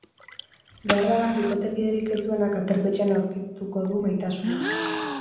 Beharbada, bikotekiderik ez duenak aterpetxean aurkituko du maitasuna!